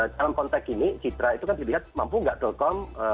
dalam konteks ini citra itu kan dilihat mampu nggak telkom